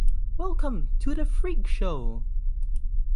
Welcome - to the Freak Show!